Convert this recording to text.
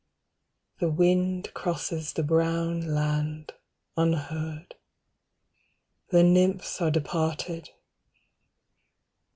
The wind Crosses the brown land, unheard. The nymphs are departed.